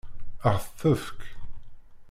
Ad ɣ-t-tefk?